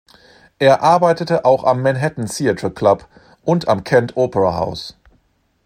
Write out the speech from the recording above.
Er arbeitete auch am "Manhattan Theatre Club" und am "Kent Opera House".